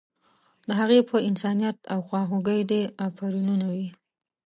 د هغې په انسانیت او خواخوږۍ دې افرینونه وي.